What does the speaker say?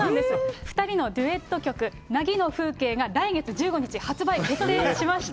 ２人のデュエット曲、凪の風景が来月１５日発売決定しました。